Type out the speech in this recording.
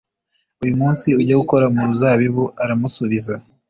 uyu munsi ujye gukora mu ruzabibu Aramusubiza